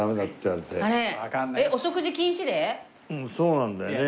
うんそうなんだよね。